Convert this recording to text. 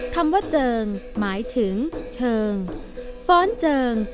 คำว่าเจิงหมายถึงเชิงฟ้อนเจิง